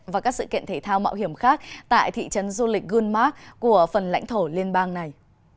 và các sự kiện thể thao mạo hiểm khác tại thị trấn du lịch gulmark của phần lãnh thổ liên bang này